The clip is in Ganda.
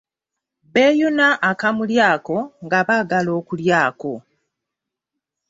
Beeyuna akamuli ako nga baagala okulyako.